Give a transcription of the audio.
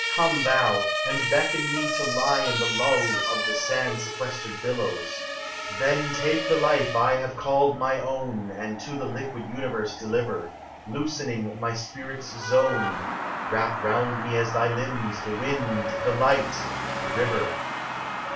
Come thou, and beckon me To lie in the lull of the sand sequestered billows : Then take the life I have called my own And to the liquid universe deliver ; Loosening my spirit's zone, Wrap round me as thy limbs the wind, the light, the river.